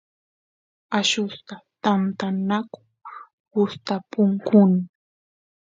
allusta tantanaku gustapukun